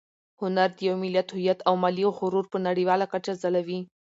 هنر د یو ملت هویت او ملي غرور په نړیواله کچه ځلوي.